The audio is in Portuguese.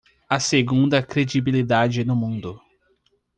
A segunda credibilidade no mundo